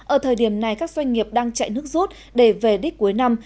ở thời điểm này các doanh nghiệp đang chạy nước rút để về đích cuối năm